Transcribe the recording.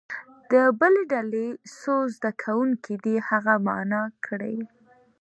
د بلې ډلې څو زده کوونکي دې هغه معنا کړي.